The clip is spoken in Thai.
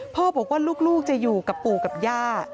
พ่อบอกว่าลูกจะอยู่กับปู่กับย่า